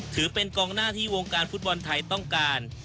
ถือเป็นกองหน้าที่วงการฟุตบอลไทยต้องการ